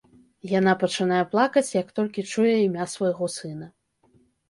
Яна пачынае плакаць, як толькі чуе імя свайго сына.